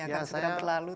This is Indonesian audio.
akan sudah berlalu